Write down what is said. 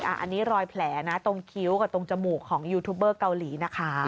อันนี้รอยแผลนะตรงคิ้วกับตรงจมูกของยูทูบเบอร์เกาหลีนะคะ